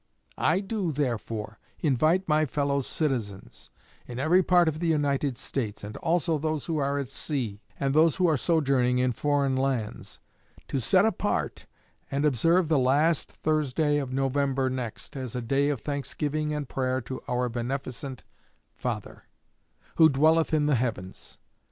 I do, therefore, invite my fellow citizens in every part of the United States, and also those who are at sea, and those who are sojourning in foreign lands, to set apart and observe the last Thursday of November next as a day of thanksgiving and prayer to our beneficent Father, who dwelleth in the heavens.